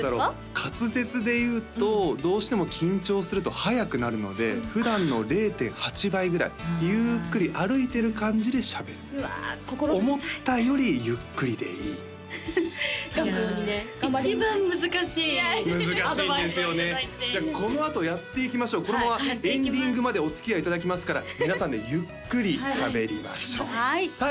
滑舌でいうとどうしても緊張するとはやくなるので普段の０．８倍ぐらいゆっくり歩いてる感じでしゃべる思ったよりゆっくりでいい一番難しいアドバイスをいただいてじゃあこのあとやっていきましょうこのままエンディングまでおつきあいいただきますから皆さんでゆっくりしゃべりましょうさあ